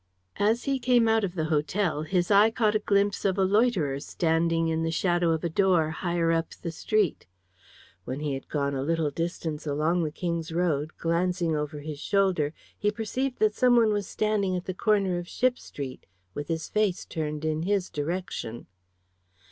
As he came out of the hotel his eye caught a glimpse of a loiterer standing in the shadow of a door higher up the street. When he had gone a little distance along the King's Road, glancing over his shoulder, he perceived that some one was standing at the corner of Ship Street, with his face turned in his direction.